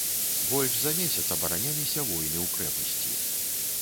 Больш за месяц абараняліся воіны ў крэпасці.